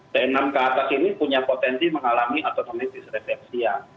t enam ke atas ini punya potensi mengalami otomatis refleksia